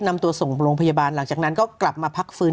นำตัวส่งโรงพยาบาลหลังจากนั้นก็กลับมาพักฟื้น